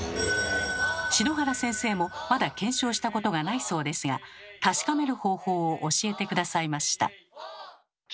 篠原先生もまだ検証したことがないそうですが確かめる方法を教えて下さいました。